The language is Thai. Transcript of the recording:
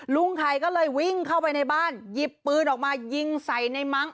ลุงไข่ก็เลยวิ่งเข้าไปในบ้านหยิบปืนออกมายิงใส่ในมั้ง